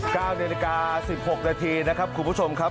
๙เดี๋ยวนาฬิกา๑๖นาทีนะครับคุณผู้ชมครับ